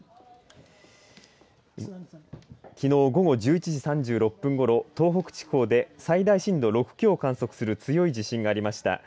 きのう午後１１時３６分ごろ東北地方で最大震度６強を観測する強い地震がありました。